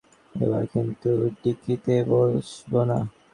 এবার কিন্তু ডিকিতে বসবো না।